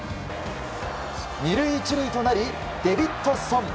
２塁１塁となりデビッドソン。